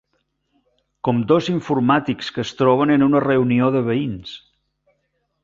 Com dos informàtics que es troben en una reunió de veïns.